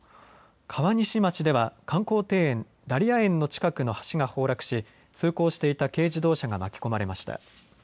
川西町では観光庭園、ダリヤ園の近くの橋が崩落し通行していた軽自動車が巻き込まれました。